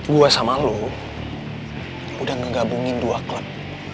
gue sama lo udah ngegabungin dua klub